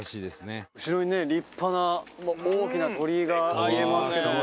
「後ろにね立派な大きな鳥居が見えますけども」